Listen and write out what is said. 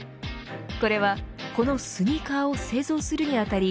これは、このスニーカーを製造するに当たり